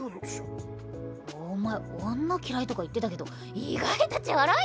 お前女嫌いとか言ってたけど意外とちょろいな。